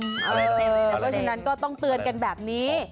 เพราะฉะนั้นก็ต้องเตือนกันแบบนี้